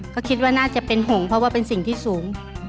ก็คิดว่าน่าจะเป็นห่วงเพราะว่าเป็นสิ่งที่สูง